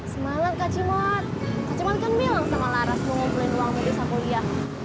semangat kak cimut kak cimut kan bilang sama laras mau ngumpulin uang mobil sepuluh iya